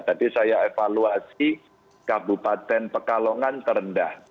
tadi saya evaluasi kabupaten pekalongan terendah